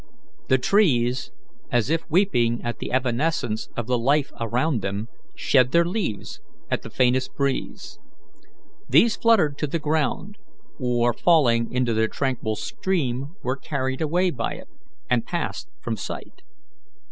The trees, as if weeping at the evanescence of the life around them, shed their leaves at the faintest breeze. These fluttered to the ground, or, falling into the tranquil stream, were carried away by it, and passed from sight.